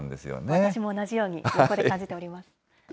私も同じように、横で感じております。